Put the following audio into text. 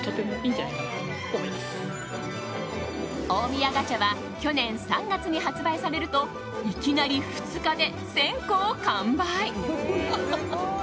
大宮ガチャは去年３月に発売されるといきなり２日で１０００個を完売。